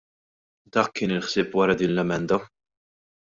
Dak kien il-ħsieb wara din l-emenda.